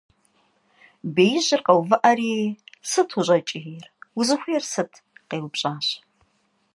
Беижьыр къэувыӀэри: - Сыт ущӀэкӀийр? Узыхуейр сыт?! - къеупщӀащ.